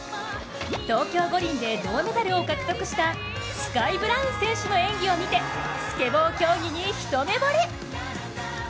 東京五輪で銅メダルを獲得したスカイ・ブラウン選手の演技を見てスケボー競技に一目惚れ！